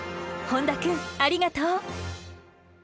本多くんありがとう。